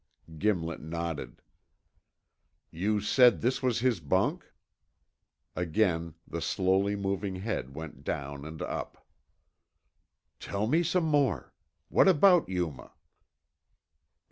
Gimlet nodded. "You said this was his bunk?" Again the slowly moving head went down and up. "Tell me some more. What about Yuma?"